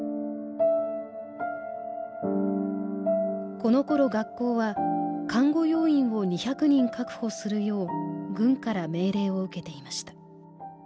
このころ学校は看護要員を２００人確保するよう軍から命令を受けていました。